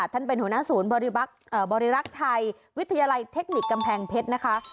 ท่านเป็นหัวหน้าศูนย์บริรักษ์ไทยวิทยาลัยเทคนิคกำแพงเพชรนะคะ